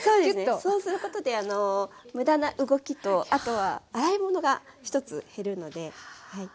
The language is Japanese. そうすることで無駄な動きとあとは洗い物が１つ減るので。